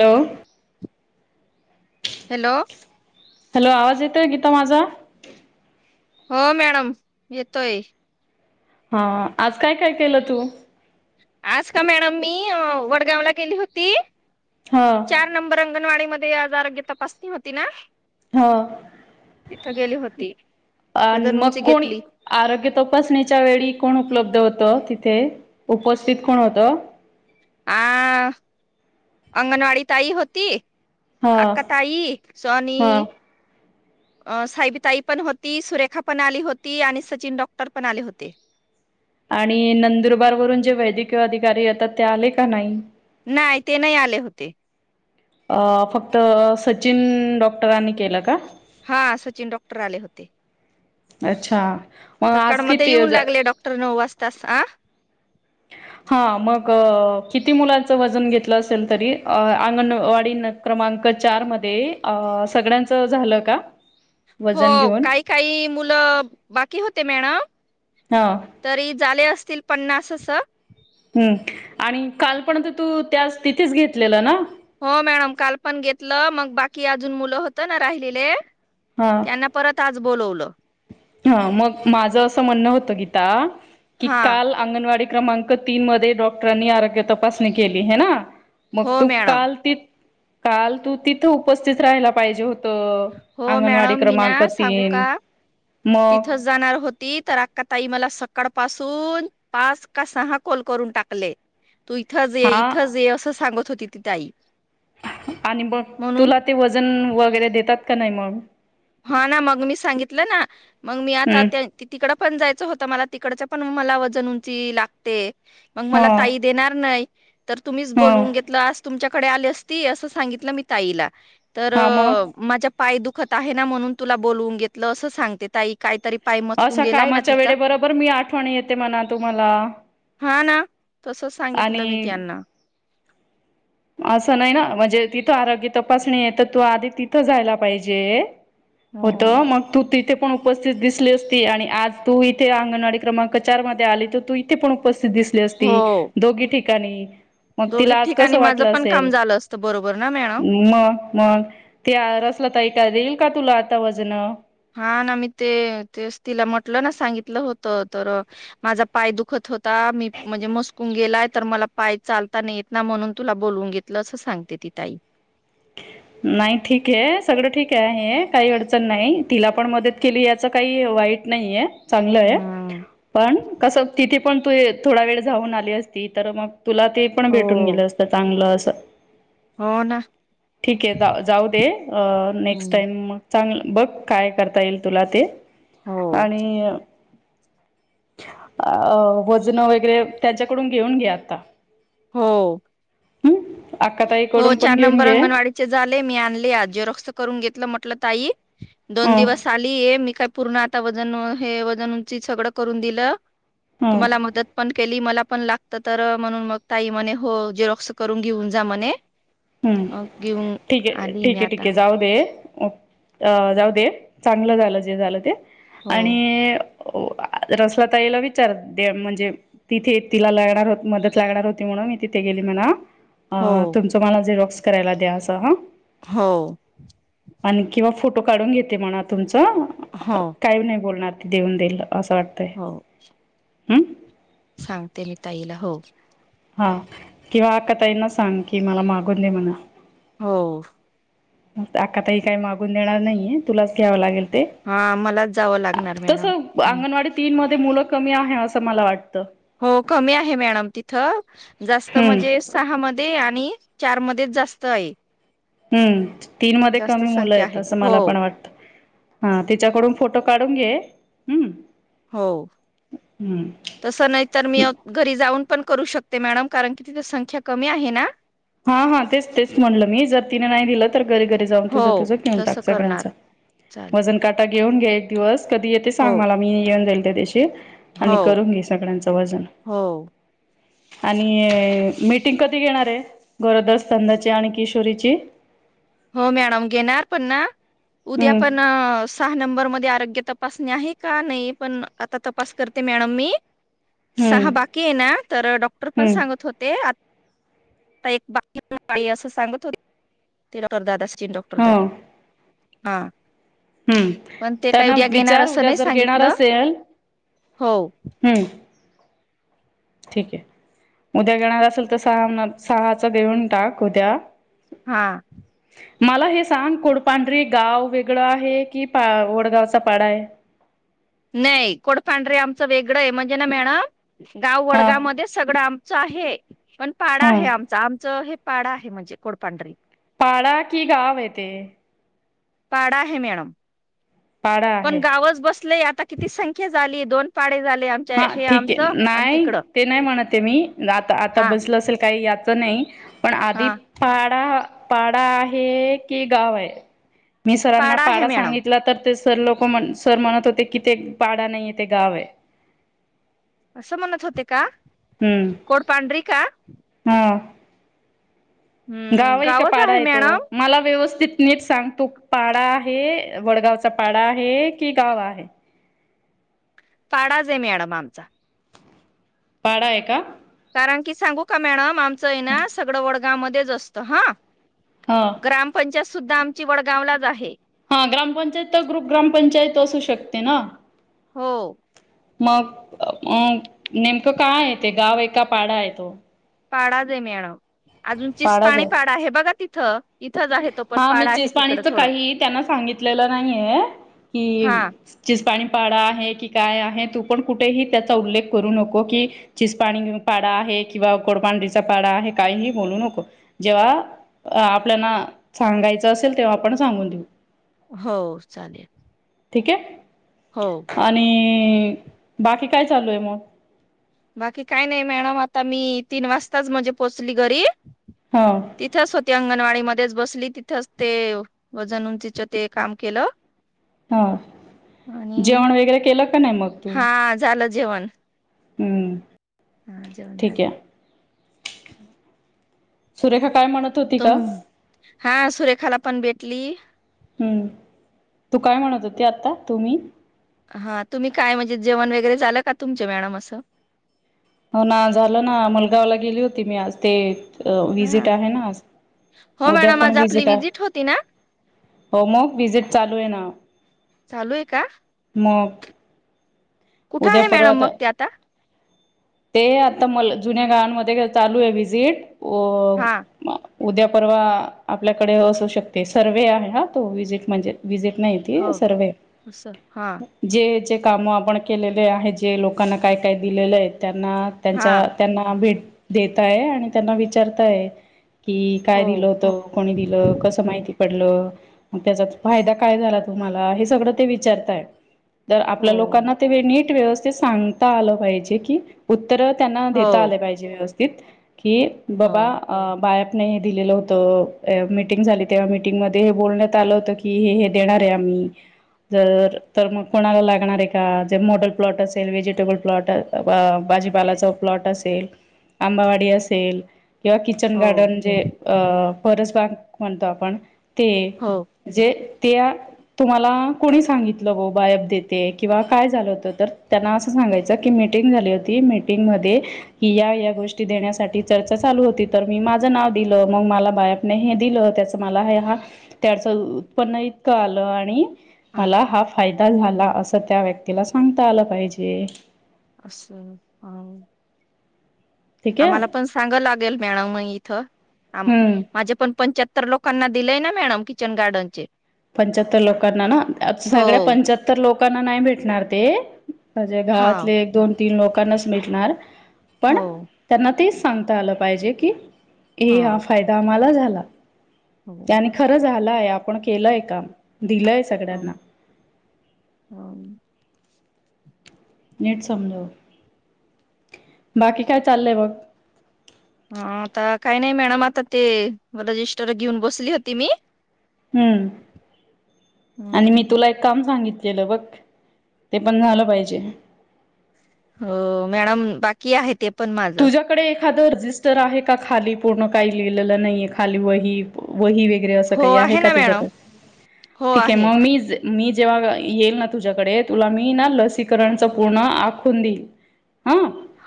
Hello hello hello आवाज येतोय गीता माझा हो मॅडम येतोय हा आज काय, काय केलं तू आज का मॅडम मी वडगावला गेली होती ह चार नंबर अंगणवाडी मध्ये आज आरोग्य तपासणी होती ना ह तिथं गेली होती आणि पदन उंची मग कोणी घेतली आरोग्य तपासणीच्या वेळी कोण उपलब्ध होत तिथे उपस्थित कोण होतं आ अंगणवाडी ताई होती हा आक्का, ताई, सोनी हा साईबीताई पण होती सुरेखा पण आली होती आणि सचिन डॉक्टर पण आले होते आणि नंदुरबार वरून जे वैद्यकीय अधिकारी येतात ते आले का नाही? नाही ते नाही आले होते अ फक्त सचिन डॉक्टरांनी केलं का हा सचिन डॉक्टर आले होते अच्छा मग आज सकाळमध्ये येऊन किती लागले डॉक्ट क्टर नऊ वाजतास आ हा मग किती मुलाचं वजन घेतलं असेल तरी अंगणवाढीन क्रमांक चार मध्ये सगळ्यांचं झालं का हो वजन घेऊन? काही, काही मुलं बाकी होते मॅडम हां तरी झाले असतील पन्नास असं हम् आणि कालपणंत तू त्या तिथेच घेतलेलं ना हो मॅडम काल पण घेतलं मग बाकी अजून मुलं होत ना राहिलेले त्यांना प परत आज बोलवलं ह मग माझं असं म्हणणं होतं गीता की हा काल अंगणवाडी क्रमांक तीन मध्ये डॉक्टरांनी आरोग्य तपासणी केली हे ना मग हो तू मॅडम काल ति काल तू तिथं उपस्थित राहायला पाहिजे हो त हो अंगणवाडी क्रमांक तीन मग तिथच जाणार होती तर अक्का ताई मला सकाळ पासून पाच का सहा कोल करून टाकले. तू इथंज ये हा इथंज ये असं सांगत होती ती ताई. आणि बघ म्हणून तुला ते वजन वगैरे देतात का नाही मग? हा ना मग मी सांगितलं ना मग मी आता हम्म त्या ती तिकडं पण जायचं होतं मला तिकडच्या पण मला वजन उंची लागते मग मला हो ताई देणार नाही तर तुम्हीच हो बोलवून घे तलास आज तुमच्याकडे आली असती अस सांगितलं मी ताईला तर हा मग माझ्या पाय दुख ता आहे ना म्हणून तुला बोलवून घेतलं असं सांगते ताई. काही तरी पाय म असा कामाच्या वेळे बरोबर मी आठवणी येते म्हणा तुम्हाला. हा ना तसच सांगितलं मी आणि त्यांना. असं नाही ना म्हणजे तिथं आरोग्य तपासणी आहे तर तू आदी तिथं जायला पाहिजे. होतं हो मग तू तिथे पण उपस्थित दिसली असती आणि आज तू इथे अंगणवाडी क्रमांक चार मध्ये आली तर तू ती थे उपस्थित दिसली हो असती दोघी ठिकाणी मग दोघी तिला आज ठिकाणी कसं वाट माझं पण काम झालं असतं बरोबर ना मॅडम. मग मग ते आय रसलं ताई काय देईल का तुला आता वजनं. हा ना मी ते तेच तिला म्हटलं ना सांगितलं होतं तर माझा पाय दुखत होता मी म्हणजे मसकून गेलाय तर मला पाय चालता नाही येत ना म्हणून तुला बोलवून घेत तला असं सांगते ती ताई. [inaudible] नाही ठीक आहे सगळं ठीक आहे हे काही अडचण नाही तिला पण मदत केली याचं काही वाईट नाहीये. चांगलं आहे हम्म पण कसं तिथे पण तू थोडा वेळ जाऊन आली असती तर मग तुला ते पण भेटून हो. गेलं असतं चांगलं असं. हो ना. ठीक आहे जा जाऊ दे अ नेक्स्ट हम्म टाइम म चांगलं बघ काय करता येईल तुला ते. हो. आणि वजना वगैरे त्यांच्याकडून घेऊन घे आता. हो. हम्म हो अक्काताईकडून पण चार घेऊन नंबर घे अंगणवाडीत चे जाले मी आणले आज जेरॉक्स करुन घेतलं म्हटलं ताई दोन ह दिवस चाली ये मी काय पूर्ण आता वजन व हे वजन उंची सगळं करून दिलं. हम्म तुम्हाला मदत पण केली मला पण लागतं तर म्हणून मग ताई म्हणे हो जेरोक्स करून घेऊन जा मने. हम्म ठीक आहे आली ठीक मी आहे आता ठीक आहे जाऊ दे अ जाऊ दे चांगलं झालं जे झालं ते हो आणि ओ आ रसला ताईला विचार दे म्हणजे तिथे तिला लागणार होत मदत लागणार होती म्हणून मी तिथे गेली म्हणाव. अ हो तुमचं मला झेरॉक्स करायला द्या असं हा. हो. आणि किंवा फोटो काढून घेते म्हणा तुमचं. हां. काही नाही बोलणार ती देऊन देल असं वाटतय. हो अम्. सांगते मी ताईला हो. हा. किंवा आका ताईना सांग कि मला मागून दे म्हणा. हो. आक्काताई काही मागून देणार नाहीये. तुलाच घ्यावं लागेल ते. हा मलाच जावं लागणार मॅडम. तसं हम्म. अंगणवाडी तीन मध्ये मुलं कमी आहे. असं मला वाटतं. हो कमी आहे मॅडम तिथं. जास्त हम्म म्हणजे सहा मध्ये आणि चार मध्येच जास्त आहे. हम्म. तीन मध्ये जास्त कमी संख्या मुलंयेत. आहे असं हो मला पण वाटतं. हा तिच्याकडून फोटो काढून घे. हम्म. हो. हम्म. तसं नाहीत तर मी घरी जाऊन पण करू शकते मॅडम. कारण की तिथ संख्या कमी आहे ना. हा हा तेच तेच म्हणलं मी. जर तिने नाही दिलं तर, घरी घरी जाऊन हो तुझं तुझं घेऊन तसं टाक सगळ्यांच. करणार चालेल वजन काटा घेऊन घे एक दिवस. कधी येते हो सांग मला. मी येऊन जाईल त्या दिशी. आणि हो करून घे सगळ्यांचं वजन. हो आणि मीटिंग कधी घेणारे. गरोदरस्तंधाची आणि किशोरीची. हो मॅडम घेणार पण ना. उद्या हम्म पण सहा नंबर मध्ये आरोग्य तपासणी आहे का नाही. पण आता तपास करते मॅडम मी. हम्म सहा बाकी आहे ना. तर डॉक्टर पण हम्म सांगत होते. आ ता एक बा [unintelligible] बाई असं सांगत होते. ते डॉ दादा असन. डॉक्टर दादा. हो. हा. हम्म पण ते काही त्यांना उद्या घेणार विचार असं उद्या नाही जर घेणार सांगितलं. असेल हो. हम्म. ठीके. उद्या घेणार असेल तर सहा सहाचा देऊन टाक उद्या. हा. ह [unintelligible] मला हे सांग. कुडपांढरी गाव वेगळं आहे की, वडगावचा पाडाये. नाही कोडपांडरे आमचं वेगळंय. म्हणजे ना मॅडम. गाव हा वडगाव मध्येच सगळं आमचं आहे. पण पाडा आहे हम्म आमचा. आमचं हे पाडा आहे म्हणजे कोडपांढरी. पाडा की गावे तेे? पाडा आहे मॅडम. पाडा पण आहे. गावच बसले. आता किती संख्या झाली. दोन पाडे झाले आम हा ठीके. नाही ते नाही म्हणते मी. आता आता हा बसलं असेल काही याचं नाही. पण आधी हा पाडा पाडा आहे की गावये? मी सरांना आहे पाडा मॅडम सांगितला तर ते सर लोक म्हण, सर म्हणत होते की ते पाडा नाहीय ते गाव आहे. असं म्हणत होते का? हम्म. कोडपाडरी का? ह. हम्म गावय का गावच आहे पाडाय तो? मॅडम मला व्यवस्थित नीट सांग. तो पाडा आहे. वडगावचा पाडा आहे की गाव आहे? पाडाचे मॅडम आमचा. पाडाय का? कारण की सांगू का मॅडम. आमचंय ना सगळं वडगाव मध्येच असतं ह. हां. ग्रामपंचायत सुद्धा आमची वडगावलाच आहे. हा ग्रामपंचायत तर ग्रुप ग्रामपंचायत असू शकते ना. हो. मग अ नेमकं काय आहे ते गाव एका पाडा आहे तो. पाडा ज मण अजूनचीच पाणी पाडा आहे बघा तिथं. इथंच आहे तो पण हा मी पाडा आहे तिकडं चिजपाणीच थोडं काही त्यांना सांगितलेलं नाहीये की हा चिज पाणीपाड आहे की काय आहे तू पण कुठेही त्याचा उल्लेख करू नको की चिस पाणीऊ पाडा आहे किंवा कोडपांढरीचा पाडा आहे काहीही बोलू नको जेव्हा अ आपल्याला सांगायचं असेल तेव्हा आपण सांगून देऊ. हो चालेल. ठीक आहे. हो. आणि बाकी काय चालू आहे मग? बाकी काय नाही मॅडम आता मी तीन वाजताच म्हणजे पोहोचली घरी. हां. तिथच होती अंगणवाडी मध्येच बसली तिथंच ते वजन उंचीच ते काम केलं. हा आणि जेवण वगैरे केलं का नाही मग तुम्ही हा झालं जेवण. हम्म हा जेवण ठीक झालं आहे. सुरेखा काय म्हणत होती तुम का? हा सुरेखाला पण भेटली. हम्म, तू काय म्हणत होते आता तुम्ही, हा तुम्ही काय म्हणजे, जेवण वगैरे झालं का तुमचे मॅडम असं, हो ना झालं ना मुलगावला गेली होती, मी आज ते अ हा विजिट आहे ना आज हो उद्या मॅडम पण आज आपली विजिट आहे. होती ना हो मग विजिट चालू आहे ना, चालू आहे का मग कुठं उद्या आहे परवा मॅडम मग ते आता. ते आता म जुन्या गावांमध्ये चालू आहे, वि्जिट. हा अ उद्या परवा आपल्याकडे असू शकते, सर्वहे आहे हा तो विजिट म्हणजे विजिट नाही. हो हॆ सरवे असं हा जे जे कामं आपण केलेले आहे जे लोकांना काय काय दिलेलं आहे त्यांना हा त्यांच्या त्यांना भेट देतय आणि त्यांना विचारताय की काय हो दिल होतो. कोणी दिलं कसं माहिती पडलं. मग त्याचा फायदा काय झाला तुम्हाला हे सगळं ते विचारताय. अ आपल्या हो लोकांना ते, नीट व्यवस्थित सांगता आलं पाहिजे की उत्तर त्यांना हो देता आले पाहिजे, व्यवस्थित की, बाबा हो अ बायतंने हे दिलेलं होत. अ मिीटिंग झाली तेव्हा मीटिंगमध्येध्ये हे बोलण्यात आलं होत की की हे हे देणार आहे आम्ही जर, तर मग कोणाला लागणार आहे का, जे मोडल प्लॉट असेल व्हेजिटेबल प्लॉटअसेल अ.. बाजीपालाचा प्लॉट असेल, आंबावाडी असेल, किंवा किचन हो गार्डन जे अ परसबाग म्हणतो आपण ते हो जे त्या तुम्हाला कोणी सांगितलं हो, बायप देते किंवा काय झालं होतं तर, त्यांना असं सांगायचं ज की मीटिंग झाली होती, मीटिंगमध्येध्ये कि या या, गोष्टी देण्यासाठी चर्चा चालू होती तर, मी माझं नाव दिलं मग मला बाया [unintelligible] मला हा, फायदा झाला अस, त्या व्यक्तीला सांगता आलं पाहिजे. अस आणि ठीक आहे आम्हाला पण सांगाल लागेल, मॅडम इथ आम हम्म माझे पण पंच्याहत्त तर लोकांना दिलंय ना, मॅडम किचन गार्डनचे पंच्याहत्तर लोकांना ना, आत सगळ्या हो पंच्याहत्तर लोकांना नाही भेटणार ते म्हणजे हा गावातले एक- दोन -तीन लोकांनाच भेटणार पण हो त्यांना तेच सांगता आलं पाहिजे की की हा, फायदा आम्हाला झाला. हो त्यानी खरं झालय आपण केलंय, काम दिलंय सगळ्यांना हम, नीट समजाव, बाकी काय चाललंय मग हा, आता काही नाही मॅडम आता ते, रजिस्टर घेऊन बसली होती मी. हम्म, आणि मी हम्म तुला काम सांगितलेलं बघ ते पण झालं पाहिजे. हो, मॅडम बाकी आहे ते पण माझ. तिकडे एखादं रजिस्टर आहे का? खाली पूर्ण काही लिहिलेलं नाही आहे खाली वही वही वगैरे असं हो काही आहे का? ना मॅडम तुझ्याकड ठीक आहे. मग मीच मी जेव्हा येईल ना, तुझ्याकडे तुला मी ना, लसीकरणच पूर्ण आखून देईल. हा,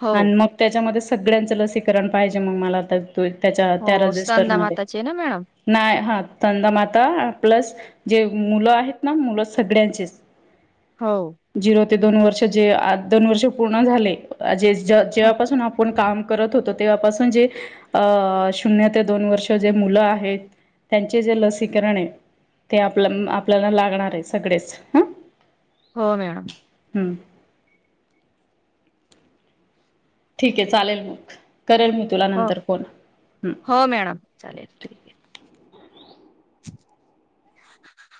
हो आणि मग त्याच्यामध्ये सगळ्याच लसीकरण पाहिजे, मग मला आता होय, त्याच्या त्या हो स्तनदा रजिस्टरमध्ये माताचे ना मॅडम नाही. हा, स्तनदा माता प्लस जे मुलं आहेत ना, मुलं सगळ्यांचेच. हाऊ, हो [unintelligible] आपण काम करत होतो. तेव्हापासून जे अ शून्य ते दोन वर्ष जे मुल आहेत. त्यांचे जे लसीकरण आहे. ते आपल्या आपल्याला लागणार आहे. सगळेच हा, हो, मॅडम हम्म, ठीक आहे चालेल मग करेल, मी तुला हो नंतर फोन. हं. हो, मॅडम चालेल ठीक आहे. [inaudible]